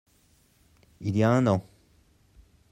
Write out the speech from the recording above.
Il y a un an.